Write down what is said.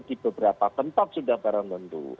di beberapa tempat sudah barang tentu